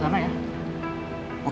namun saat ini